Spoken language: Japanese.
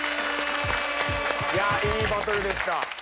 いいバトルでした。